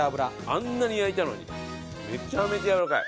あんなに焼いたのにめちゃめちゃやわらかい。